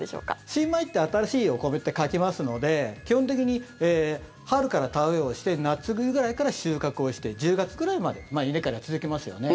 新米って新しいお米って書きますので基本的に春から田植えをして夏ぐらいから収穫をして１０月くらいまで稲刈りを続けますよね。